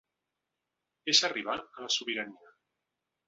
És arribar a la sobirania.